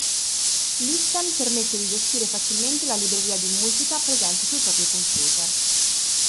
Listen permette di gestire facilmente la libreria di musica presente sul proprio computer.